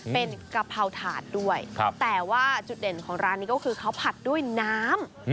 เป็นกะเพราถาดด้วยแต่ว่าจุดเด่นของร้านนี้ก็คือเขาผัดด้วยน้ำ